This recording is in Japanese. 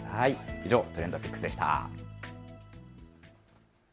以上、ＴｒｅｎｄＰｉｃｋｓでした。